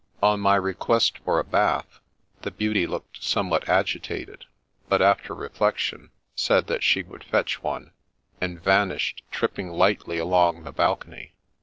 On my request for a bath, the beauty looked somewhat agitated, but, after reflection, said that she would fetch one, and vanished, tripping lightly along the balcony.